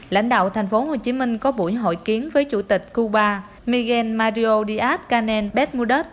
lãnh đạo tp hcm có buổi hội kiến với chủ tịch cuba miguel mario díaz canel béb mundet